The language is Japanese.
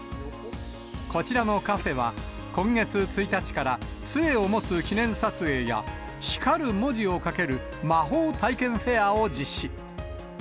こちらのカフェは、今月１日から、つえを持つ記念撮影や、光る文字を書ける魔法体験フェアを実施。